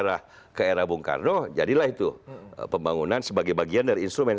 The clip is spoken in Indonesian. arah ke era bung karno jadilah itu pembangunan sebagai bagian dari instrumen